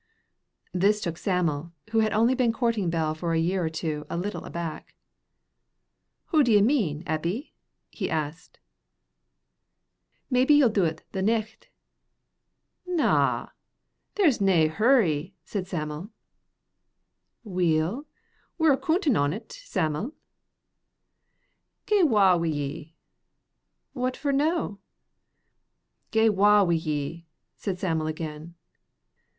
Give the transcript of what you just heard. This took Sam'l, who had only been courting Bell for a year or two, a little aback. "Hoo d'ye mean, Eppie?" he asked. "Maybe ye'll do't the nicht." "Na, there's nae hurry," said Sam'l. "Weel, we're a' coontin' on't, Sam'l." "Gae wa wi' ye." "What for no?" "Gae wa wi' ye," said Sam'l again.